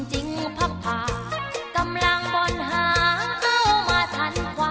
จึงพักผ่ากำลังบนหาเข้ามาทันความ